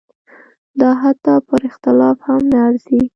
دا حتی پر اختلاف هم نه ارزي.